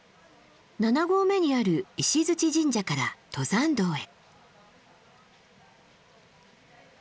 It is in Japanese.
７合目にある石神社から登山道へ。